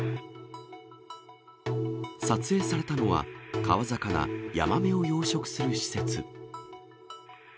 撮影されたのは、川魚、ヤマメを養殖する施設。